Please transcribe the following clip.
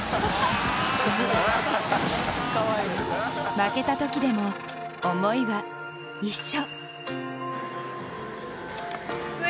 負けた時でも、思いは一緒。